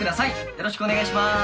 よろしくお願いします。